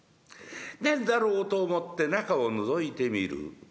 何だろうと思って中をのぞいてみる。